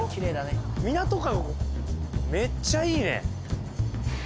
港かめっちゃいいね何？